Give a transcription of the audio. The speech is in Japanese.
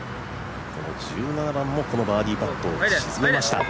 この１７番もこのバーディーパットを沈めました。